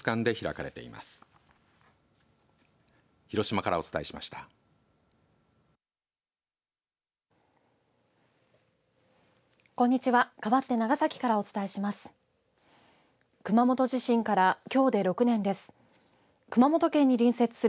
かわって長崎からお伝えします。